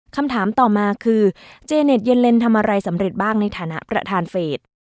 คำถามต่อมาคือเจเน็ตเย็นเลนทำอะไรสำเร็จบ้างในฐานะประธานเฟส